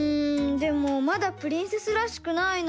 でもまだプリンセスらしくないな。